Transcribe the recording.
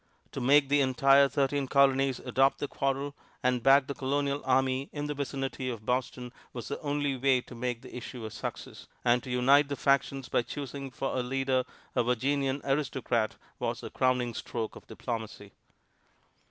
To make the entire thirteen Colonies adopt the quarrel and back the Colonial army in the vicinity of Boston was the only way to make the issue a success, and to unite the factions by choosing for a leader a Virginian aristocrat was a crowning stroke of diplomacy.